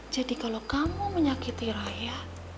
jadi kalau kamu menyakiti raya